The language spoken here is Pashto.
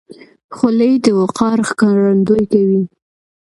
خولۍ د وقار ښکارندویي کوي.